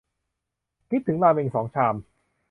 คิดถึงราเม็งสองชาม